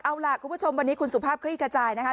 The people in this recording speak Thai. เอาล่ะคุณผู้ชมวันนี้คุณสุภาพคลี่ขจายนะคะ